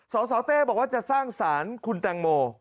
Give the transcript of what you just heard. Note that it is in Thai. สสเต้บอกว่าจะสร้างสารคุณแตงโม